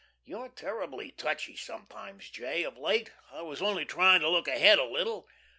"You're terrible touchy sometimes, J., of late. I was only trying to look ahead a little.